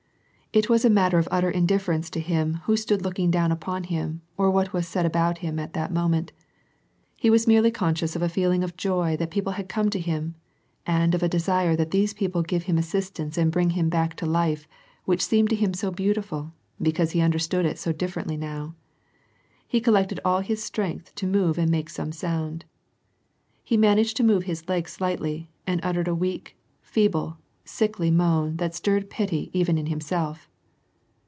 It was a matter utter indifference to him who stood looking down upon him^ or what was said about him at that moment. He was merelyi conscious of a feeling of joy that people had come to him, of a desire for these people to give him assistance and bri him back to life which seemed to him so beautiful : because understood it so differently now. He collected all his strengdk' to move and make some sound. He managed to move his I slightly and uttered a weak, feeble, sickly moan that sti pity even in himself.